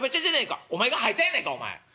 「お前が吐いんやないかいお前。